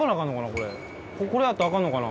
これこれあったらアカンのかな。